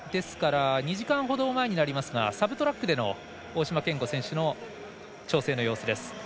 ２時間ほど前になりますがサブトラックでの大島健吾選手の調整の様子です。